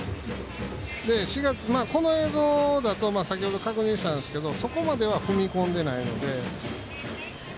この映像だと先ほど確認したんですがそこまでは踏み込んでないので。